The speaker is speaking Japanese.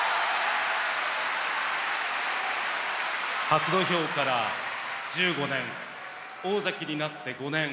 初土俵から１５年大関になって５年。